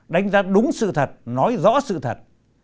đánh giá đúng sự thật nói rõ sự thật